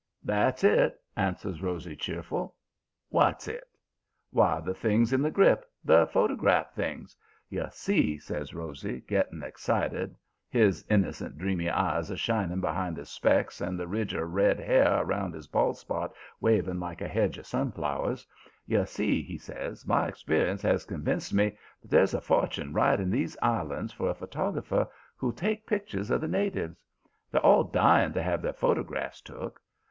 "'That's it,' answers Rosy, cheerful. "'W'at's it?' "'Why, the things in the grip; the photograph things. You see,' says Rosy, getting excited, his innocent, dreamy eyes a shining behind his specs and the ridge of red hair around his bald spot waving like a hedge of sunflowers; 'you see,' he says, 'my experience has convinced me that there's a fortune right in these islands for a photographer who'll take pictures of the natives. They're all dying to have their photographs took.